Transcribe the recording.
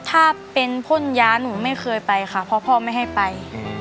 ถ้าเป็นพ่นยาหนูไม่เคยไปค่ะเพราะพ่อไม่ให้ไป